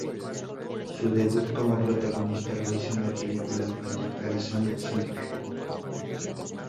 Su debut como protagonista lo hizo en la película infantil "Arizona Summer".